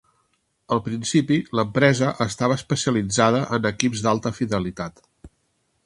Al principi, l'empresa estava especialitzada en equips d'alta fidelitat.